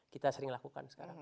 kita sering lakukan sekarang